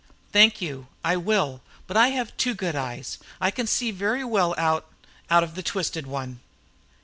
"Thank you, I will. But I have two good eyes. I can see very well out out of the twisted one."